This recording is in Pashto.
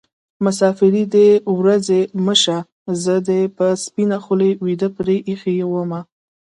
مسافري دې روزي مه شه زه دې په سپينه خولې ويده پرې ايښې ومه